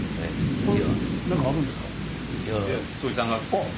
これ何かあるんですか？